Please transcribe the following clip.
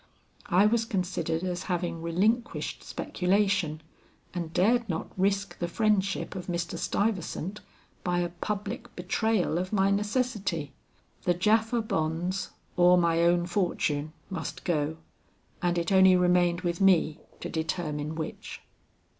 I was considered as having relinquished speculation and dared not risk the friendship of Mr. Stuyvesant by a public betrayal of my necessity. The Japha bonds or my own fortune must go, and it only remained with me to determine which.